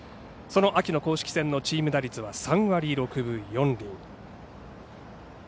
その秋の公式戦のチーム打率は３割６分４厘。